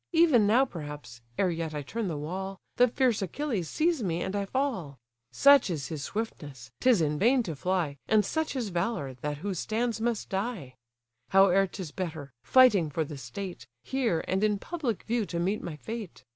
Even now perhaps, ere yet I turn the wall, The fierce Achilles sees me, and I fall: Such is his swiftness, 'tis in vain to fly, And such his valour, that who stands must die. Howe'er 'tis better, fighting for the state, Here, and in public view, to meet my fate.